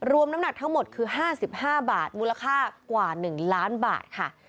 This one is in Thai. น้ำหนักทั้งหมดคือ๕๕บาทมูลค่ากว่า๑ล้านบาทค่ะ